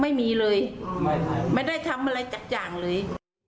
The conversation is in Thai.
ไม่มีเลยไม่ได้ทำอะไรสักอย่างเลย